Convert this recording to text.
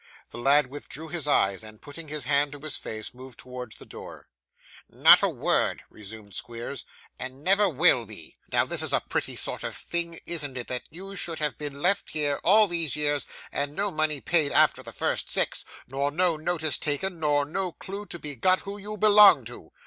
The lad withdrew his eyes, and, putting his hand to his face, moved towards the door. 'Not a word,' resumed Squeers, 'and never will be. Now, this is a pretty sort of thing, isn't it, that you should have been left here, all these years, and no money paid after the first six nor no notice taken, nor no clue to be got who you belong to?